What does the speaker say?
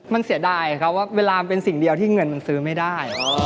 มันเสียดายครับว่าเวลามันเป็นสิ่งเดียวที่เงินมันซื้อไม่ได้